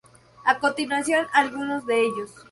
A continuación algunos de ellos.